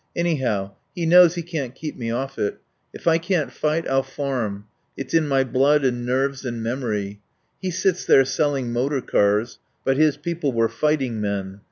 Anyhow he knows he can't keep me off it. If I can't fight I'll farm. It's in my blood and nerves and memory. He sits there selling motor cars, but his people were fighting men.